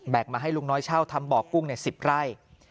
มาให้ลุงน้อยเช่าทำบ่อกุ้ง๑๐ไร่